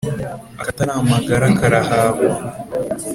Akatari amagara karahahwa.